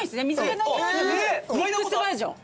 ミックスバージョン。